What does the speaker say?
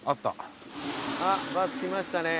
あっバス来ましたね。